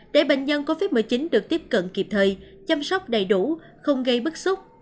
để bệnh nhân covid một mươi chín được tiếp cận kịp thời chăm sóc đầy đủ không gây bức xúc